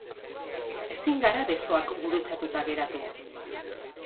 Ezin gara besoak gurutzatuta geratu.